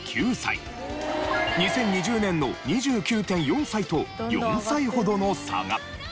２０２０年の２９．４歳と４歳ほどの差が。